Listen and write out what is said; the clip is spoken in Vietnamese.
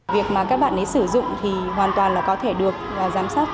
việc mà các bạn ấy sử dụng thì hoàn toàn là có thể được giám sát